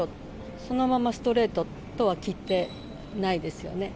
そのままストレートとは聞いてないですよね。